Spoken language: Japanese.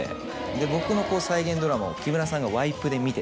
僕の再現ドラマを木村さんがワイプで見てて。